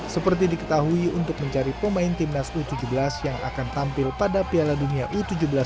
seperti diketahui untuk mencari pemain timnas u tujuh belas yang akan tampil pada piala dunia u tujuh belas dua ribu dua puluh tiga